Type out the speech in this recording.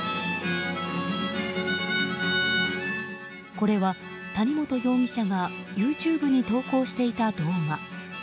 これは谷本容疑者がＹｏｕＴｕｂｅに投稿していた動画。